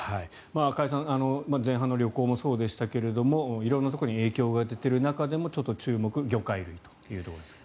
加谷さん前半の旅行もそうでしたが色々なところに影響が出ている中でもちょっと注目魚介類というところです。